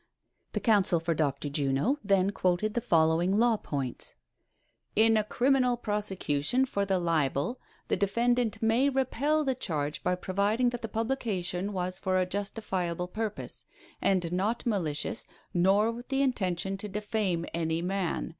The counsel for Dr. Juno then quoted the, following law points :" In a criminal prosecution for a libel, the defendant may r^pel tlie charge by proving that the publication was for a justifiable purpose, and not malicious, nor with the inten tion to defame any man.